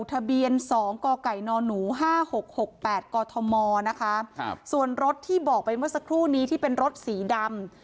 ทะเบียนสองก่อก่ายนอนหนูห้าหกหกแปดกอทมนะคะส่วนรถที่บอกไปเมื่อสักครู่นี้ที่เป็นรถสีดำ